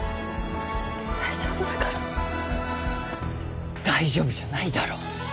大丈夫だから大丈夫じゃないだろ